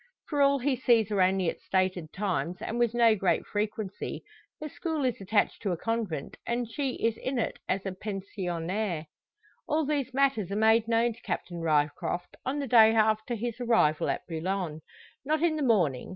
For all he sees her only at stated times, and with no great frequency. Her school is attached to a convent, and she is in it as a pensionnaire. All these matters are made known to Captain Ryecroft on the day after his arrival at Boulogne. Not in the morning.